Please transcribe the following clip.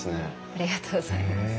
ありがとうございます。